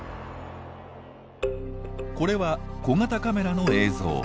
これは小型カメラの映像。